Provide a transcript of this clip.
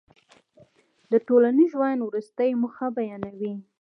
د ټولنیز ژوند وروستۍ موخه بیانوي.